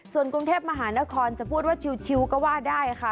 ส่วนกรุงเทพมหานครจะพูดว่าชิลก็ว่าได้ค่ะ